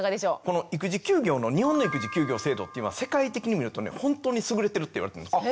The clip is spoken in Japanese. この育児休業の日本の育児休業制度って世界的に見るとほんとに優れてるっていわれてるんです。